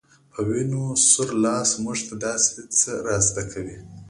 په وينو سور لاس موږ ته داسې څه را زده کوي